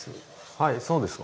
はいそうですか。